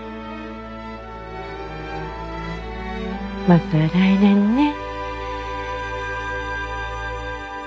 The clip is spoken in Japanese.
また来年ね。